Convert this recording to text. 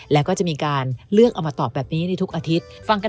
แล้วก็จะมีการเลือกเอามาตอบแบบนี้ในทุกอาทิตย์ฟังกัน